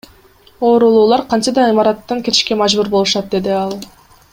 Оорулуулар кантсе да имараттан кетишке мажбур болушат, — деди ал.